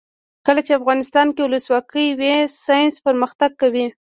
کله چې افغانستان کې ولسواکي وي ساینس پرمختګ کوي.